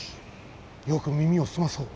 よく耳をすまそう。